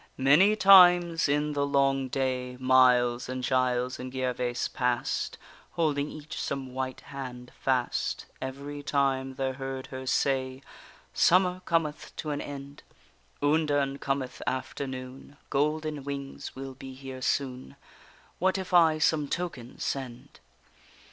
Many times in the long day Miles and Giles and Gervaise passed, Holding each some white hand fast, Every time they heard her say: Summer cometh to an end, Undern cometh after noon; Golden wings will be here soon, What if I some token send?